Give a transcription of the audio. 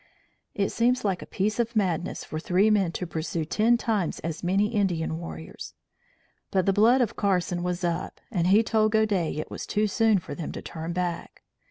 It seems like a piece of madness for three men to pursue ten times as many Indian warriors; but the blood of Carson was up and he told Godey it was too soon for them to turn back.